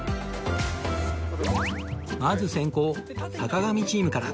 まず先攻坂上チームから